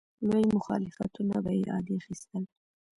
لوی مخالفتونه به یې عادي اخیستل.